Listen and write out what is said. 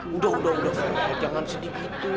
udah udah udah vera jangan sedih begitu